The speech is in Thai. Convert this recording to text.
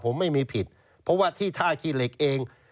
ผมไม่มีผิดเพราะว่าที่ท่าขี้เหล็กเอง